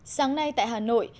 sáng nay tại hà nội